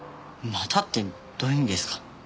「また」ってどういう意味ですか？